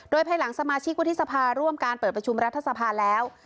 โดยภายหลังสมาชิกวุฒิสภาร่วมการเปิดประชุมรัฐสภาแล้ว